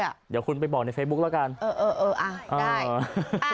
เดี๋ยวคุณไปบอกในเฟซบุ๊คแล้วกันเออเออเอ้าได้